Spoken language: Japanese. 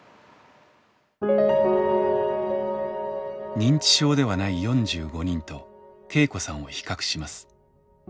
認知症ではない４５人と恵子さんを比較します。